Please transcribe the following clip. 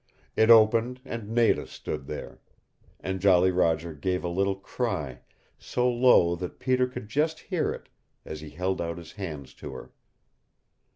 It opened, and Nada stood there. And Jolly Roger gave a little cry, so low that Peter could just hear it, as he held out his hands to her.